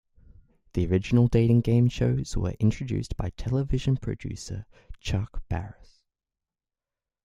The original dating game shows were introduced by television producer Chuck Barris.